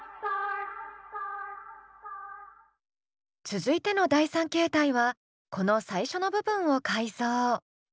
続いての第３形態はこの最初の部分を改造。